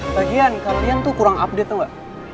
lagian kalian tuh kurang update tau gak